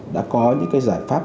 đã có những cái giải pháp